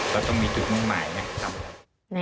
เราต้องมีจุดมุ่งหมายไหมทำอะไร